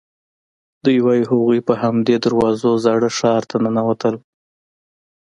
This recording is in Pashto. دوی وایي هغوی په همدې دروازو زاړه ښار ته ننوتل.